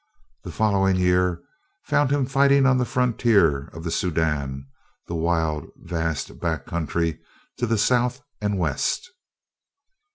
The following year found him fighting on the frontier of the Soudan, the wild, vast back country to the south and west.